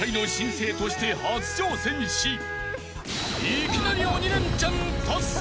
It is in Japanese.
［いきなり鬼レンチャン達成］